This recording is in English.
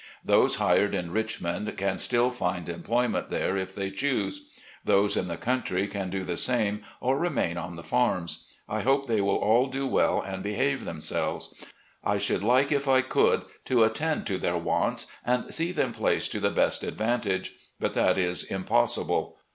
Those hired in Rich mond can still find employment there if they choose. Those in the cotmtry can do the same or remain on the farms. I hope they will all do well and behave them selves. I shotild like, if I could, to attend to their wants and see them placed to the best advantage. But that is impossible.